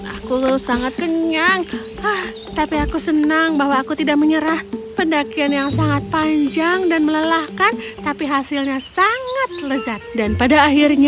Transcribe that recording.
aku sangat kenyang tapi aku senang bahwa aku tidak menyerah pendakian yang sangat terbaik